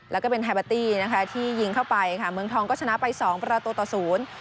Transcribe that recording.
แล้วก็เป็นไฮเบอร์ตี้นะคะที่ยิงเข้าไปค่ะเมืองทองก็ชนะไปสองประตูต่อศูนย์